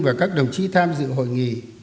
và các đồng chí tham dự hội nghị